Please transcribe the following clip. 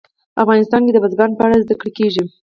افغانستان کې د بزګان په اړه زده کړه کېږي.